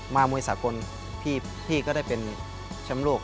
มวยสากลพี่ก็ได้เป็นแชมป์โลก